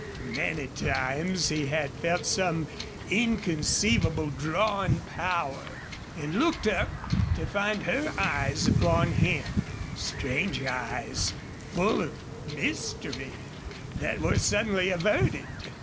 Many times he had felt some inconceivable drawing power, and looked up to find her eyes upon him, strange eyes full of mystery, that were suddenly averted.